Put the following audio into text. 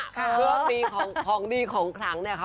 เพื่อมีของดีของครั้งเนี่ยคะ